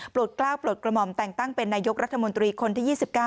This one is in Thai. กล้าวปลดกระหม่อมแต่งตั้งเป็นนายกรัฐมนตรีคนที่๒๙